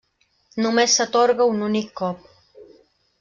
Només s'atorga un únic cop.